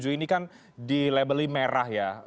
lima puluh tujuh ini kan di labeling merah ya